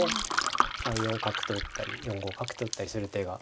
３四角と打ったり４五角と打ったりする手が。